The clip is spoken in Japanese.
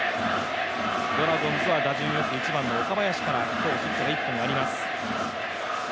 ドラゴンズは打順１番の岡林から今日、ヒットが１本あります。